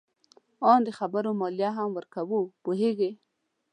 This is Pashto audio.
آن د خبرو مالیه هم ورکوو. پوهیږې؟